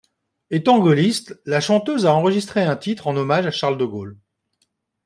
Étant gaulliste, la chanteuse a enregistré un titre en hommage à Charles de Gaulle.